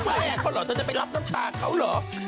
ไม่อาหารเธอจะไปรับน้ำชาญเขาเหรอ